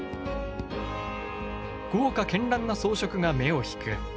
豪華絢爛な装飾が目を引く。